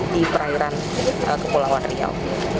di perairan kepulauan riau